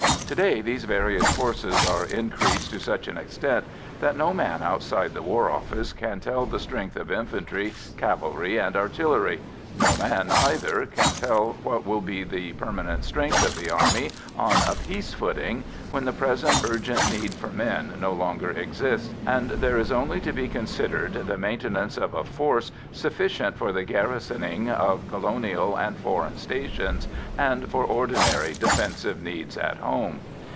To day these various forces are increased to such an extent that no man outside the War Office can tell the strength of infantry, cavalry, and artillery; no man, either, can tell what will be the permanent strength of the Army on a peace footing, when the present urgent need for men no longer exists, and there is only to be considered the maintenance of a force sufficient for the garrisoning of colonial and foreign stations and for ordinary defensive needs at home.